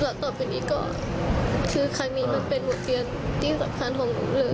หลักต่อไปนี้ก็คือคลางนี้มันเป็นหมุดเปลี่ยนที่สำคัญของหนูเลย